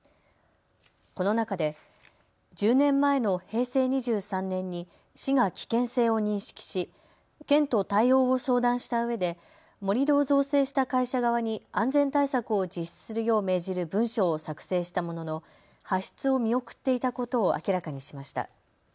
この中で１０年前の平成２３年に市が危険性を認識し県と対応を相談したうえで盛り土を造成した会社側に安全対策を実施するよう命じる文書を作成したものの発出を見送っていたことを明らかにしました。